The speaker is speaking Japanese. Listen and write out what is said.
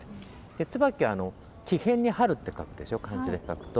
ツバキは木へんに春って書くでしょう漢字で書くと。